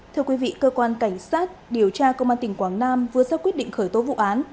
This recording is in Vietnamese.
thưa quý vị cơ quan cảnh sát điều tra công an tỉnh quảng nam vừa sắp quyết định khởi tố vụ án